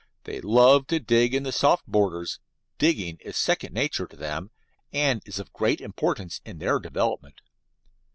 They love to dig in the soft borders: digging is second nature to them, and is of great importance in their development.